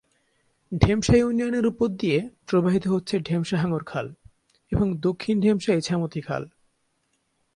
ঢেমশা ইউনিয়নের উপর দিয়ে প্রবাহিত হচ্ছে ঢেমশা হাঙ্গর খাল এবং দক্ষিণ ঢেমশা ইছামতি খাল।